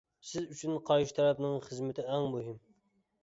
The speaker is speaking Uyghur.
سىز ئۈچۈن قارشى تەرەپنىڭ خىزمىتى ئەڭ مۇھىم.